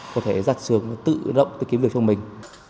có thể ra trường tự rộng tìm kiếm việc cho mình